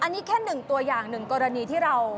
อันนี้แค่หนึ่งตัวอย่างหนึ่งกรณีที่เรา